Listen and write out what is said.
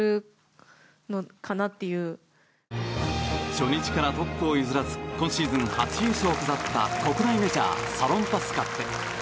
初日からトップを譲らず今シーズン初優勝を飾った国内メジャーサロンパスカップ。